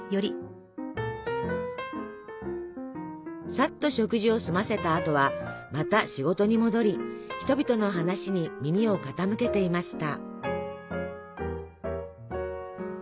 さっと食事を済ませたあとはまた仕事に戻り人々の話に耳を傾けていました。